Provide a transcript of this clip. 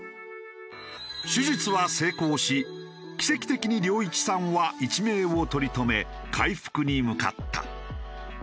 手術は成功し奇跡的に亮一さんは一命を取り留め回復に向かった。